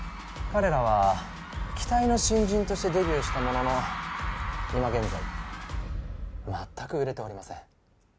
彼らは期待の新人としてデビューしたものの今現在まったく売れておりません